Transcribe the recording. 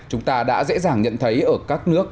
chúng ta đã dễ dàng nhận thấy ở các nước